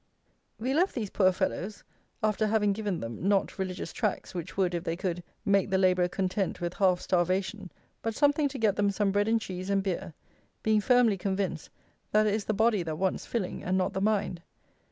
We left these poor fellows, after having given them, not "religious Tracts," which would, if they could, make the labourer content with half starvation, but something to get them some bread and cheese and beer, being firmly convinced that it is the body that wants filling and not the mind.